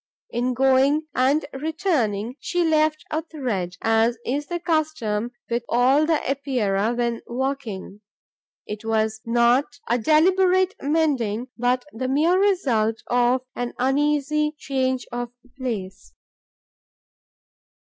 In going and returning, she left a thread, as is the custom with all the Epeirae when walking. It was not a deliberate mending, but the mere result of an uneasy change of place.